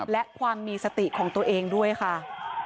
และความมีสติของตัวเองด้วยค่ะ